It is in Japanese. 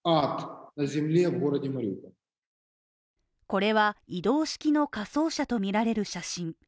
これは移動式の火葬車とみられる写真。